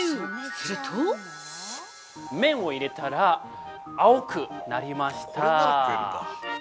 すると◆麺を入れたら青くなりました。